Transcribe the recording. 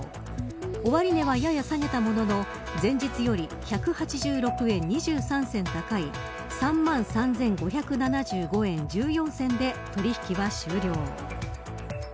終値はやや下げたものの前日より１８６円２３銭高い３万３５７５円１４銭で取引は終了。